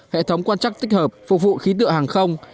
hệ thống quan trắc tích hợp phục vụ khí tượng hàng không